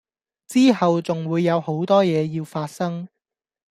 之後仲會有好多嘢要發生